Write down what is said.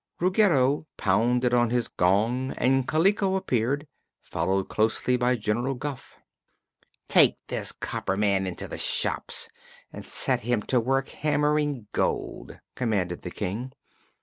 Ruggedo pounded on his gong and Kaliko appeared, followed closely by General Guph. "Take this copper man into the shops and set him to work hammering gold," commanded the King.